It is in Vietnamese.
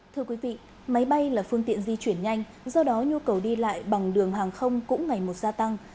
thưa quý vị máy bay là phương tiện di chuyển nhanh do đó nhu cầu đi lại bằng đường hàng không cũng ngày một gia tăng